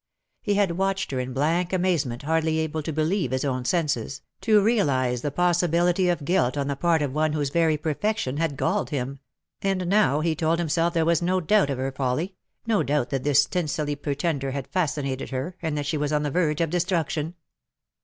He had watched her in blank amazement, hardly able to believe his own senses, to realize the possibility of guilt on the part of one whose very perfection had galled him ; and now he told himself there was no doubt of her folly, no doubt that this tinselly pretender had fascinated her, and that she was on the verge of destruction.